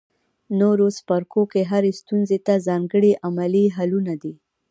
نورو څپرکو کې هرې ستونزې ته ځانګړي عملي حلونه دي.